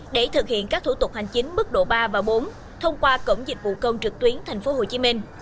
để thực hiện các thủ tục hành chính mức độ ba và bốn thông qua cổng dịch vụ công trực tuyến tp hcm